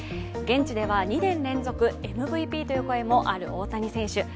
現地では２年連続ＭＶＰという声もある大谷選手。